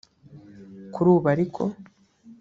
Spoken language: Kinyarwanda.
Kuri ubu ariko